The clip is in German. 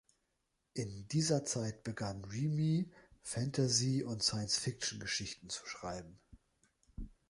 In dieser Zeit begann Reamy, Fantasy- und Science-Fiction-Geschichten zu schreiben.